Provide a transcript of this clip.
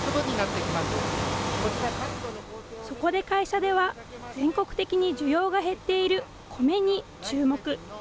そこで会社では、全国的に需要が減っているコメに注目。